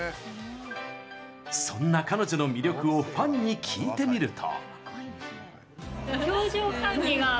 そんな彼女の魅力をファンに聞いてみると。